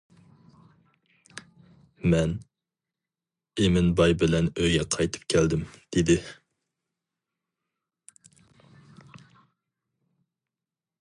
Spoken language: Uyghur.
مەن ئىمىن باي بىلەن ئۆيگە قايتىپ كەلدىم دېدى.